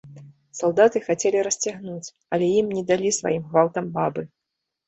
Салдаты хацелі расцягнуць, але ім не далі сваім гвалтам бабы.